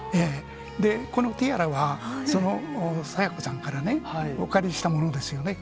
このティアラはその清子さんからお借りしたものですよね。